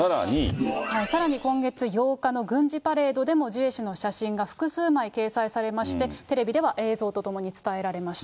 さらに、今月８日の軍事パレードでもジュエ氏の複数枚掲載されまして、テレビでは映像と共に伝えられました。